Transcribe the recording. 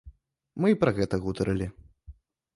Мы і пра гэта гутарылі.